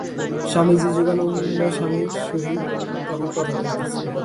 স্বামীজী যোগানন্দ-স্বামীর সহিত তখন কথা কহিতেছিলেন।